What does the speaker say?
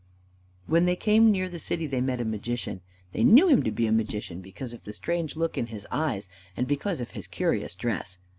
When they came near the city they met a Magician. They knew him to be a Magician because of the strange look in his eyes, and because of his curious dress.